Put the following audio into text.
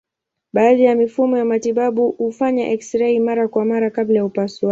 Baadhi ya mifumo ya matibabu hufanya eksirei mara kwa mara kabla ya upasuaji.